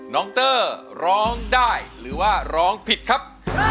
น้องเตอร์ร้องได้หรือว่าร้องผิดครับ